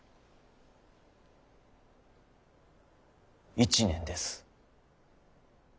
１年です。